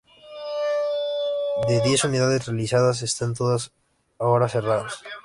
De diez unidades realizadas, están todas ahora cerradas.